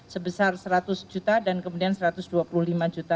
sebesar rp seratus dan kemudian rp satu ratus dua puluh lima